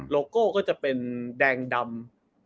โก้ก็จะเป็นแดงดำ